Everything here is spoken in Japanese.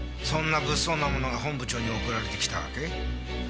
そんな物騒なものが本部長に送られてきたわけ？